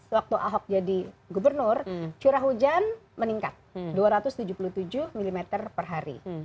dua ribu lima belas waktu ahok jadi gubernur curah hujan meningkat dua ratus tujuh puluh tujuh mm per hari